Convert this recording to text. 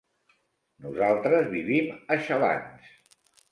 Nosaltres vivim a Xalans.